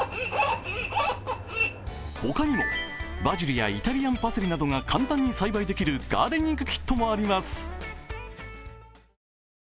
他にも、バジルやイタリアンパセリなどが簡単に栽培できるガーデニングキットもあります。